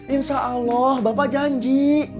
insya allah bapak janji